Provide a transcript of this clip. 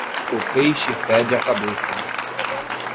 O peixe fede a cabeça.